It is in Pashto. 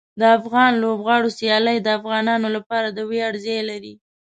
د افغان لوبغاړو سیالۍ د افغانانو لپاره د ویاړ ځای لري.